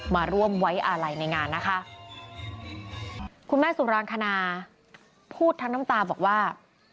มาร่วมไว้อาลัยในงานนะคะคุณแม่สุรางคณาพูดทั้งน้ำตาบอกว่า